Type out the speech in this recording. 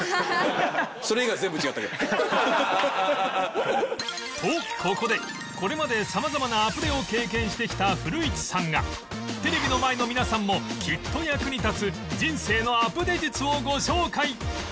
とここでこれまで様々なアプデを経験してきた古市さんがテレビの前の皆さんもきっと役に立つ人生のアプデ術をご紹介